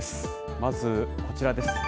まずこちらです。